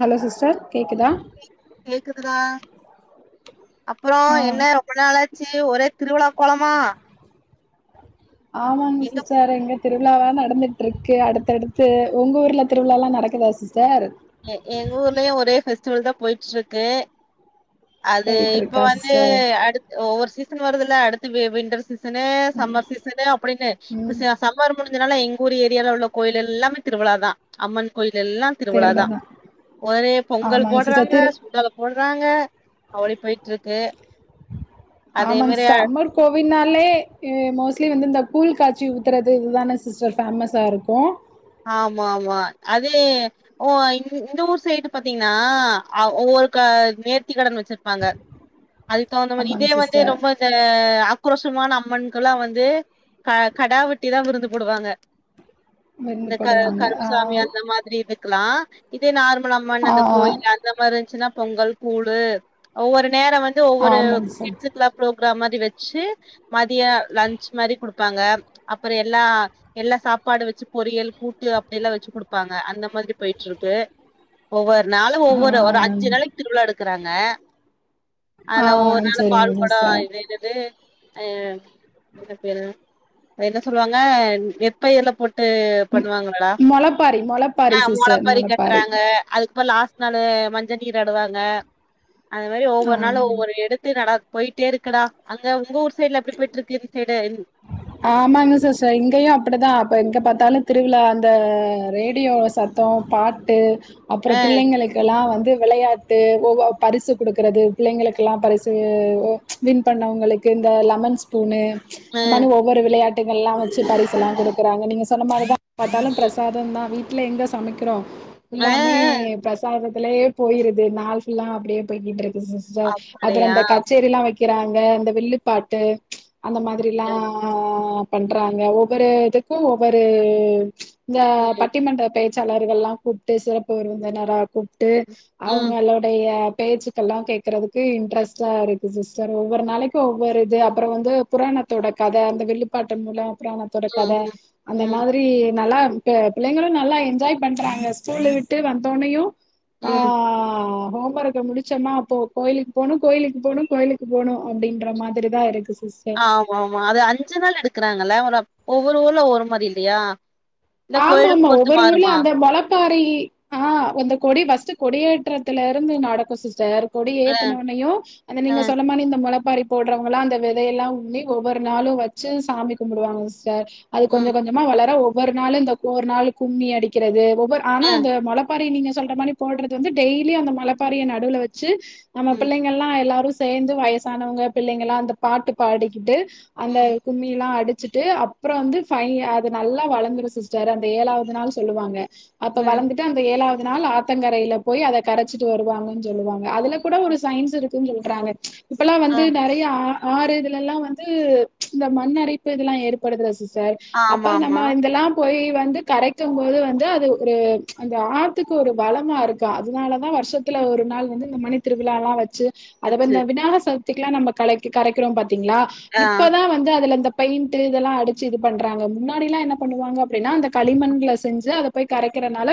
Hello sister கேட்குதா கேக்குதுடா அப்பறோ ஆ என்ன ரொம்ப நாளாச்சு ஒரே திருவிழாக் கோலமா ஆமாங்க எங்க சிஸ்டர் எங்க திருவிழாவா நடந்துடுருக்கு அடுத்தடுத்து உங்க ஊருல திருவிழாலா நடக்குதா சிஸ்டர் எ எங்க ஊர்லயு ஒரே ஃபெஸ்டிவல் தா போயிட்ருக்கு அது போயிட்டு இப்ப இருக்கா வந்து சிஸ்டர் அடுத் ஒவ்வொர் சீசன் வருதுல்ல அடுத்து வி விண்ட்டர் சீசனு சம்மர் சீசனு அப்டின்னு ம் [unintelligible] சம்மர் முடிஞ்சனால எங் ஊரு ஏரியால உள்ள கோயில் எல்லாமே திருவிழா தா அம்மன் கோயில் எல்லா திருவிழா தா ஒரே பொங்கல் ஆமாங்க போட்றாங்க சுண்டல போட்றாங்க அதே ஆமாங் மாரி சிஸ்டர் அம்மர் கோவில்னாலே ஏ மோஸ்ட்லி வந்து இந்த கூழ் காச்சி ஊத்துறது இதுதான சிஸ்டர் ஃபேமஸாருக்கு ஆமாம்மா அதே ஓ அ இந்த ஊர் சைடு பாத்திங்ன்னா அவ் ஒவ்வொர்க்கா நேர்த்தி கடன் வெச்சிற்ப்பாங்க [inaudible] அதுக் தகுந்த மாறி ஆமாங்க இதே வந்து சிஸ்டர் ரொம்ப இந்த ஆக்ரோஷமான அம்மன்கல்லா வந்து க கடா வெட்டி தா விருந்து போடுவாங்க விருந்து இந்த க போடுவாங்க ஆ கருப்சாமி அந்த மாதிரி இதுக்குலா இதே நார்மல் அம்மன் ஆ அந்தக் கோயில்ல இந்த மாரின்ச்சினா பொங்கல் கூழு ஒவ்வொரு நேர வந்து ஒவ்வொரு ஆமாங்க சிஸ்டர் கிட்ஸுக்லா புரோக்ராம் மாதிரி வெச்சு மதிய லன்ச் மாரி குடு ப்பாங்க அப்புற எல்லா எல்லா சாப்பாடு வெச்சு பொரியல் கூட்டு அப்டி எல்லா வெச்சு குடுப்பாங்க அந்த மாதிரி போயிட்ருக்கு ஒவ்வொரு நாளு ஆ ஒவ்வொரு ஒரு அஞ்சு நாளைக் திருவிழா எடுக்குறாங்க ஆனா ஒவ்வொரு ஆ நாளு சரிங்க பால் கொடோ [unintelligible] சிஸ்டர் [unintelligible] என்ன பேரு த என்ன சொல்லுவாங்க எப்ப எல போட்டு டு பண்வாங்களாடா மொளப்பாரி ஆ மொளப்பாரி அம்மாலா சிஸ்டர் பறி மொளப்பாரி கட்றாங்க அதுக் தா லாஸ்ட் நாலு மஞ்ச நீர் ஆடுவாங்க அத் மேறி ஆ ஒவ்வொர் நாளு ஒவ்வொரு எடுத் [unintelligible] போய்ட்டேருக்குடா அங்க உங்க ஊர் சைட்ல எப்டி போய்ட்ருக்கு இந் சைடு ன் ஆமாங்க சிஸ்டர் இங்கயு அப்டித்தா அப்ப எங்க பாத்தாலு திருவிழா அந்த ரேடியோ சத் தோ பாட்டு அப்ற ஆ பிள்ளைங்களுக் கெல்லா வந்து வெளயாட்டு ஒவ் ஒ பரிசு குடுக்றது பிள்ளைங்களுக்கெல்லா பரிசு ஒ வின் பண்ணவுங்களுக்கு இந்த லெமன் ஸ்பூன்னு ஆ இன் மானி ஒவ்வொரு விளையாட்டுங்கெல்லா வெச்சு பரிசெல்லா குடுக்குறாங்க நீங்க சொன்ன மாறி தா பாத்தாலு ம் ப்ரசாத் தந்தா வீட்ல எங்க சமைக்குறோ ஆ எல்லாமே ஆ பிரசாதத் துலேயே போயிருது நாள் ஃபுல்லா அப்டியே போய்கிட்ருக்கு சிஸ்டர் அப்படியா அப்பறந்த கச்சேரில்லா வெக் கிறாங்க அந்த வில்லுப்பாட்டு அந்த மாத்ரில்லா பண்றாங்க ஒவ்வொரு இதுக்கு ஒவ்வொரு இந்த ம் பட்டிமன்றப் பே சாளர்கல்லா கூப்ட்டு சிறப்பு விருந்தினரா கூப்ட்டு ம் ம் அவங்களுடயப் பேச்சு கல்லா கேக்குறதுக்கு இன்ட்ரெஸ்ட்டாருக்கு சிஸ்டர் ஒவ்வொரு நாளைக்கு ஒவ்வொரு இது அப்றோ வந்து புராணக் தோடக் கத அந்த வில்லுப்பாட்டு மூலோ அப்றோ புராணத்தோடக் ம் கத அந்த ம் ம் மாதிரி நல்லார்ந் இப்ப பிள்ளைங்களு நல்லா என்ஜாய் பண்றாங்க ஸ்கூல்லு விட்டு வந்தோனயு ஆ ம் ஹோம்பர்க் போ முடுச்சமா அப்போ கோய்லுக் போனு கோய்லுக்கு போனு கோய்லுக்கு போனு அப்டின்ற மாதிரி தா இருக்கு சிஸ்ட ஆமா ஆமா அது அஞ்சு நாள் எடுக்குறாங்கல்ல ஒரு ஒவ்வொரு ஊர்ல ஒரு மாரி இல்லயா ஆமா ஆமா ஒவ்வொரு ஊர்ல அந்த மொளப் பாரி ஆ அந்த கொடி ஃபர்ஸ்ட்டு கொடியேற்றத்துலருந்து நடக்கு சிஸ்ட்ர் கொடி ஆ ஏத்துன ஒன்னயூ அது ஆ நீங்க சொன்ன மாரி இந்த மொளப்பாரி போட்றவங்களா அந்த வெதயல்லா உண்ணி ஒவ்வொரு நாளு வெச்சு சாமி கும்புடுவாங்க சிஸ்டர் அது கொஞ்சோ ம் கொஞ்சோ மா வளர ஒவ்வொரு நாளு இந்த ஒரு நாள் கும்மி அடிக்கிறது ஒவ்வொர் ஆனா ஆ அந்த மொளப் பாரி நீங்க சொல்ற மாரிப் போட்றது வந்து டெய்லி அந்த மொளப்பாரிய நடுவுல வெச்சு நம்ம ம் பிள்ளைங் எல்லா எல்லாரு சேர்ந்து வயசானவங்க பிள்ளைங்கல்லா அந்த பாட்டு பாடிக்கிட்டு அந்த ம் கும்மியில்லா அடிச்சிட்டு அப்பற வந்து ஃபை அது நல்லா வளந்துருஸ் சிஸ்டர் அந்த ஏழாவது நாள் சொல்லுவாங்க அப்ப ம் வளந்து ட்டு அந்த ஏழாவது நாள் ஆத்தங்கரைலப் போய் அத கரச்சிட்டு வருவாங்கன் சொல்லுவாங்க அதுல கூட ஒரு சைன்ஸ் இருக் க்குன் சொல்றாங்க இப்பல்லா ஆ வந்து நெறயா ஆ ஆறு இதுலல்லா வந்து இந்த மண்ணரிப்பு இதெல்லா ஏற்படுதுல சிஸ்டர் ஆமா அப்ப ஆமா நம்ம இந்தெல்லா போய் வந்து கரைக்கு போது வந்து அது ஒரு அந்த ஆத்துக்கு ஒரு வளமா இருக்கா அதுனால தா வருஷத்து த்துல ஒரு நாள் வந்து இந்த மணி திருவிழாலா வச்சு அத வச்சு வந்து விநாயகர் சதுர்த்திக்குலா நம்ப கலக் கரைக்கிறோ பாத்தீங்ளா ஆ இப்பதா வந்து அதுல இந்த பெயிண்ட்டு இதெல்லா அடிச்சு இது பண்றாங்க முன்னாடிலா என்ன பண்ணுவாங்க அப்டின்னா அந்த களிமண்ல செஞ்சு அத போய் கரைக்கிறனால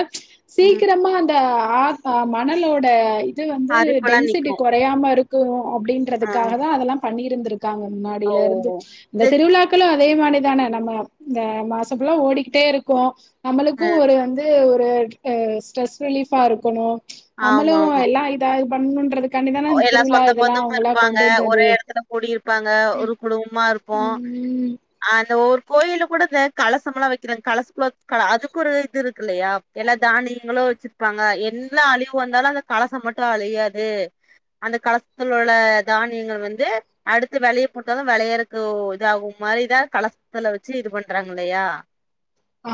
ம் சீக்கிரமா அந்த இந்த ஆத் ஆ மணலோட இது வந்து அரிப்பெல்லாம் நிக்கும் டென்சிட்டி கொறயாம இருக்கு அப்டின் ஆ றதுக்காக தா அதெல்லா பண்ணிருந்திருக்காங்க ஓ முன்னாடிலருந்து இந்த இது திருவிழாக்களு அதே மாரிதான நம்ம இந்த மாச ஃபுல்லா ஓடிக்கிட்டே இருக்கு நம்மளுக்கு ஆ ஒரு வந்து ஒரு ஸ்ட்ரெஸ் ரிலீஃபா இருக்கணு நம்மளு ஆமா ஆமா எல்லா தா இது பண்ணுன்றதுக்கு எல்லா சொந்த பந்தமு இருப்பாங்க வந்தது ஒரே எடத்துல கூடிருப்பாங்க ஒரு குடும்பமா இருக்கு ம் அந்த ஒரு கோயில்லக் கூட இந்த கலசமுல்லா வெக்கிறாங்க கலசக்லோகல் அதுக் ஒரு இதுருக்குல்லயா எல்லா தானியிங்களு வச்சிர்ப்பாங்க என்ன அழிவு வந்தாலு அந்த கலச மட்டு அழியாது அந்த கலசத்துல உள்ள தானியங்கள் வந்து அடுத்து வெளைய போட்டாலு வெளையறக்கு ஓ இது ஆகு மாரிதா கலசத்துல வச்சி இது பண்றாங்கல்லயா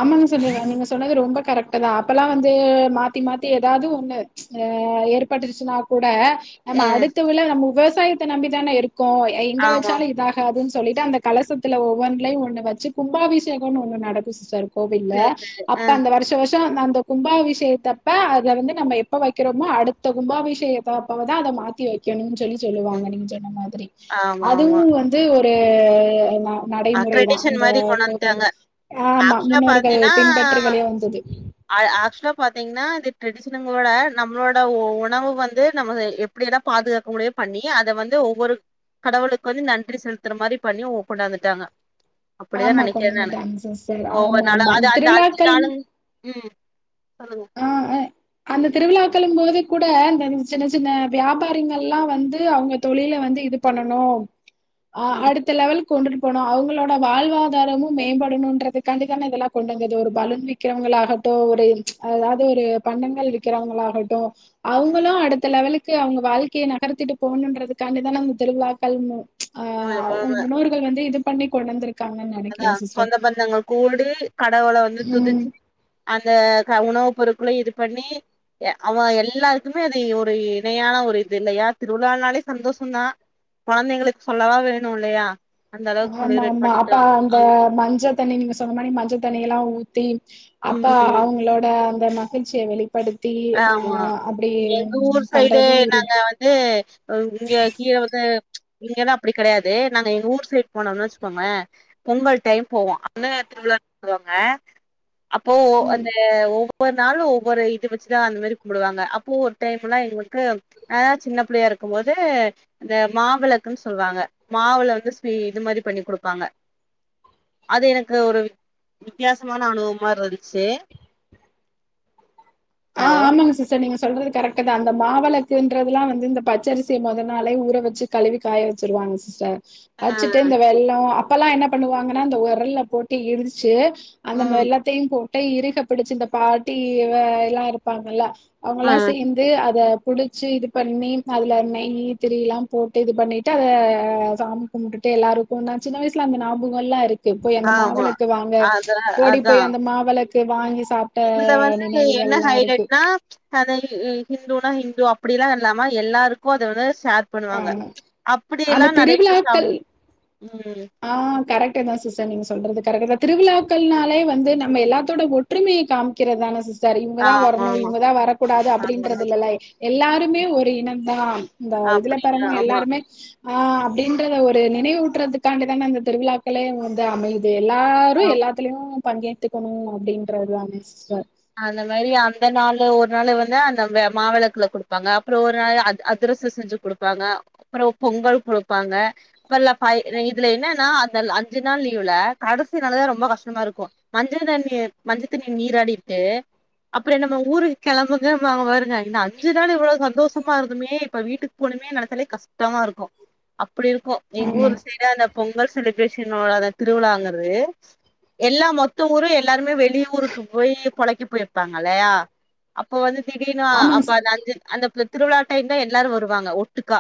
ஆமாங்க சொல்லி நீங்க சொன்னது ரொம்ப கரக்ட்டுதா அப்பல்லா வந்து மாத்தி மாத்தி எதாவ்து ஒன்னு ஆ ஏற்பட்ருச்சின்னாக் கூட நம்ம ஆ அடுத்த வேல நம்போ விவசாயத்த நம்பி தான இருக்கோ எங்க ஆமா வச்சாலு இதா அதுன் சொல்லிட்டு அந்த கலசத்துல ஒவ்வொன்லயு ஒன்னு வச்சு கும்பாபிஷேகம்னு ஒன்னு நடக்கு சிஸ்டர் கோவில்ல சேரி சேரி அப்ப ஆ அந்த வருஷ வருஷ த்த அந்த கும்பாபிஷேகத்தப்ப அத வந்து நம்ம எப்ப வக்கிறோமோ அடுத்த கும்பாபிஷேகத்தப்பதா அத மாத்தி வ நிக்கணுன் சொல்லி சொல்லுவாங்க நீங்க சொன்ன மாதிரி ஆமா அதுவு ஆமா வந்து ஒரு நா அ நடைமுறைதா ட்ரெடிஷன் அந்த மாரி கொண்டு கோவில் வந்துட்டாங்க ஆமா ஆக்சுவலா முன்னோர்கள் பின்பற்று வழிய வந்தது அது ஆக்சுவலா பாத்தீங்ன்னா இது ட்ரெடிஷனங்களோட நம்ளோட உணவு வந்து நம்மள எப் ப்டியெல்லா பாதுகாக்க முடியுமோ பண்ணி அத வந்து ஒவ்வொரு கடவுளுக்கு வந்து நன்றி செலுத்துற மாரி பண்ணி ஒக் கொண்டாந்துட்டாங்க அப்டிதா ஆமா கொண்டு நெனைக்கிறே நானு வந்துட்டாங்க சிஸ்டர் ஒவ்வொரு ஆமா ஆமா நாளும் அது அந்த அஞ்சு திருவிழாக்கள் நாளும் ம் சொல்லுங்க ஆ அந்த திருவிழாக்களும் போது கூட அந்த சின்ன சின்ன வியாபாரிங்கல்லாம் வந்து அவங்க தொழில வந்து இது பண்ணணு ஆ அடுத் ம். அடுத்த லெவல்க் கொண்டுட்டு போனு அவங்களோட வாழ்வாதாரமு மேம்படணுன்றதுகாண்டி தான இதெல்லா கொண்டு வந்தது ஒரு பலூன் வித் க்கிரவங்களாகட்டு ஒரு அதாவது ஒரு பண்டங்கள் விக்கிறவங்களாகட்டும் அவங்களும் அடுத்த லெவலுக்கு அவங்க வாழ்க் க்கைய நகர்த்திட்டு போணுன்றதுக்காண்டிதான இந்த திருவிழாக்கள் ஆ ம். ம், முன்னோர்கள் வந்து இது பண்ணி கொண்டுவந்துருக் அதா சொந்த பந்தங்கள் கூடி கடவுள வந்து ம் துதிச்சு அந்த உணவுப் பொருட்களும் இது பண்ணி அவன் எல்லாருக்குமே இது ஒரு இணையான ஒரு இது இல்லயா திருவிழானாலே சந்தோஷந்தா கொழந்தைங்களுக்கு சொல்லவா வேணு இல்லையா அந்த அளவுக்கு செலிபிரேட் பண்ணிட்டோ இந்த மஞ்ச தண்ணி நீங்க சொன்ன மாரி மஞ்ச தண்ணி எல்லா ஊத்தி அப்ப ம் அவங்களோட அந்த மகிழ்ச்சிய வெளிப்படுத்தி ஆ ஆமா அப்டி எங்க ஊர் சைடு பண்றது ஒரு நாங்க வந்து இங்க கீழ வந்து இங்கல்லா அப்டி கெடயாது நாங்க எங்க ஊர் சைடு போனோன்னா வச்சுக்கோங்களே பொங்கல் டைம் போவோ அப்பவே திருவிழானு சொல்லுவாங்க அப்போ ம் அந்த ஒவ்வொரு நாளு ஒவ்வொரு வச்சுதா அந்த மாரி கும்பிடுவாங்க அப்போ ஒரு டைம்ல்லா எங்களுக்கு அ சின்ன பிள்ளையா இருக்கும் போது இந்த மாவிளக்குன்னு சொல்லுவாங்க மாவுள வந்து ஸ்வி இது மாரி பண்ணி குடுப்பாங்க அது எனக்கு ஒரு வி வித்தியாசமான அனுபவமாருந்துச்சு ஆ ஹலோ ஆமாங்க சிஸ்டர் சிஸ்டர் நீங்க சொல்றது கரெக்டுதா அந்த மாவெலக்குன்றதுலா வந்து இந்த பச்சரிசிய மொத நாளே ஊற வச்சு கழுவி காய வச்சிருவாங்க சிஸ்டர் ஆ வச்சிட்டு இந்த வெல்லோ அப்பல்லா என்ன பண்ணுவாங்கன்னா இந்த வொரல்ல போட்டு இடிச்சு அந்த ம் வெல்லத்தையு போட்டு இறுக பிடிச்சு இந்த பாட்டி ஆ எல்லா இருப்பாங்கல்ல அவங்கெல்லா ம் சேந்த் அத புடிச்சு இது பண்ணி அதுல நெய் திரிலா போட்டு இது பண்ணிட்டு அத சா கும்பிட்டுட்டு எல்லாருக்கும் நா சின்னவயசல அந்த ஞாபகல்லா இருக்கு போய் அந்த ஆமா மாவிளக்கு வாங்க அதா ஓடி அதா போய் அந்த மாவளக்கு வாங்கி சாப்ட்ட இதுல வந்து நினைவு என்ன ஹைலைட்னா அது ஹிந்துனா ஹிந்து அப்டிலா யில்லாம எல்லாருக்கு அத வந்து ஷேர் ஆ பண்ணுவாங்க அந்த அப்டில்லா நெறைய பேர் திருவிழாக்கள் சாப்ட ம் ஆ கரெக்ட் தா சிஸ்டர் நீங்க சொல்றது கரெக்ட் தா திருவிழாக்கள்னாலே வந்து நம்ம எல்லாத்தோட ஓட் ஒற்றுமைய காமிக்கிறதான சிஸ் சர் இவங்கதா ஆமா வரணு ஆமா இவங்கதா வரக்கூடாது ஆமா அப்டின்றது இல்லல எல்லாருமே ஒரு இனம் தா இந்த இதுல அப்டின்னு பெறந்தவங்க ஆமா எல்லாருமே ஆ அப்டின்றத ஒரு நினைவூட்டுறதுக்கு அதுக்காண்டி தான அந்த திருவிழாக்களே வந்து அமையுது எல்லாரு ஆ எல்லாத்துலயு பங்கேத்துக்கணு அப்டின்றது தான சிஸ்டர் அந்த மாரி அந்த நாளு ஒரு நாள் வந்து அந்த மாவிளக்குல குடுப்பாங்க அப்றம் ஒரு நாள் அது அதுரசம் செஞ்சு குடுப்பாங்க அப்றோ பொங்கல் குடுப்பாங்க அப்பல்ல ப இ இதுல என்னன்னா அந்த அஞ்சு நாள் லீவுல கடசி நாளுதா ரொம்போ கஷ்டமாருக்கு மஞ்ச தண்ணீர் மஞ்சத்தண்ணி நீராடிட்டு அப்றோ நம்ம ஊருக்கு கெளம்புங்க [unintelligible] பாருங்க இந்த அஞ்சு நாளு இவ்ளோ சந்தோஷமாருந்தோமே இப்ப வீட்டுக் போனுமே நெனச்சாலே கஷ்டமாருக்கு அப்படியிருக்கு ஆமா எங்கூர் சைடு அந்த பொங்கல் செலிப்ரேஷனோடா அத திருவிழாங்கறது எல்லா மொத்த ஊரு எல்லாருமே வெளிய ஊருக்கு போயி பொழைக்க போயிருப்பாங்கல்லயா அப்போ வந்து திடீர்னு ஆமாங்க அப்ப சிஸ் அந்த அஞ்சு அந்த ப் திருவிழா டைம் தா எல்லாரு வருவாங்க ஒட்டுக்கா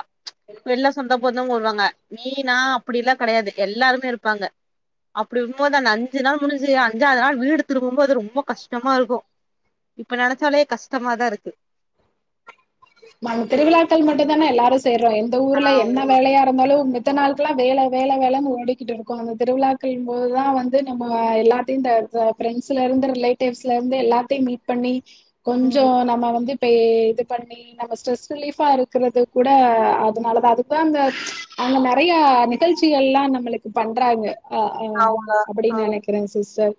எல்லா சொந்த பந்தவங்வருவாங்க நீ நா அப்டில்லா கெடயாது எல்லாருமே இருப்பாங்க அப்டிருக்கும்போது அந்த அஞ்சி நாள் முடிஞ்சு அஞ்சாவது நாள் வீடு திரும்பும்போது ரொம்போ கஷ் கஷ்டமாருக்கு இப்ப நெனச்சாலே கஷ்டமாதாருக்கு மன் திருவிழா டைம் மட்டுந்தானே எல்லாரு சேர்றோ எந்த ஊர்ல என்ன ஆமா வேலையா இருந்தாலு மித்த நாள்க்கல்லா வேல வேல வேலன் ஓடிக்கிட்டுருக்கோ அந்த திருவிழாக்கள்ம்போது தா வந்து நம்மோ எல்லா திந்த ப ஃப்ரெண்ட்ஸ்லருந்து ரிலேட்டிவ்ஸ்லந்து எல்லாத்தயும் மீட் பண்ணி கொஞ்சோ ம் நம்ம வந்து இப்ப இது பண்ணி நம்ப ஸ்ட்ரெஸ் ரிலீஃபாருக்கறது கூட அதனாலதா அதுக்குதா அந்த அங்க நெறயா நிகழ்ச்சிகள்ல்லா நம்மளுக்கு பண்றாங்க அ ஆ அவுங்களா ஆ அப்டின் நெனைக்கிறே சிஸ்டர்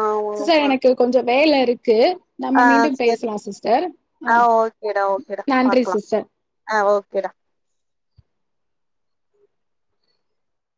ஆமா சிஸ்டர் ஆமா எனக்கு கொஞ்ச வேலயிருக்கு நம்ம ஆ மீண்டும் சேரி பேசலா சிஸ்டர் ஆ ஓகேடா ஓகேடா பாக்லா ஆ ஓகேடா